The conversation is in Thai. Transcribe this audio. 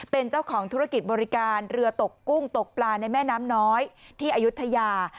เป็นเจ้าของธุรกิจบริการเรือตกกุ้งตกปลาในแม่น้ำน้อยที่อายุทยา